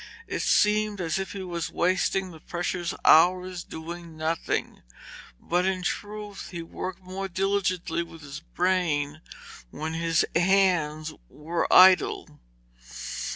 It seemed as if he was wasting the precious hours doing nothing, but in truth he worked more diligently with his brain when his hands were idle.